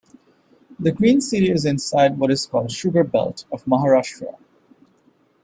The green city is inside what is called 'Sugar Belt' of Maharashtra.